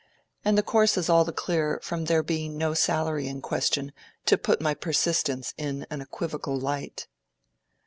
And the course is all the clearer from there being no salary in question to put my persistence in an equivocal light."